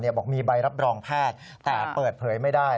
บอกมีใบรับรองแพทย์แต่เปิดเผยไม่ได้